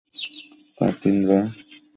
তার তিন বোন এবং এক ভাই রয়েছে।